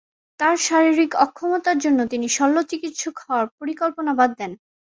তার শারীরিক অক্ষমতার জন্য তিনি শল্য চিকিৎসক হওয়ার পরিকল্পনা বাদ দেন।